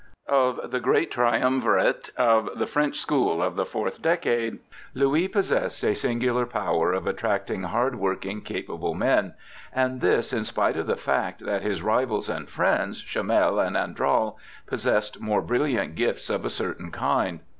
Of the great triumvirate of 198 BIOGRAPHICAL ESSAYS the French school of the fourth decade, Louis pos sessed a singular power of attracting hard working, capable men, and this in spite of the fact that his rivals and friends, Chomel and Andral, possessed more brilliant gifts of a certain kind.